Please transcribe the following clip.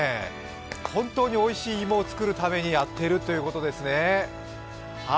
本当においしい芋を作るためにやっているということですね。